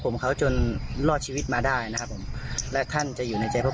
เป็นหนึ่งในวีรบุรุษที่ช่วย๑๓หมูป่า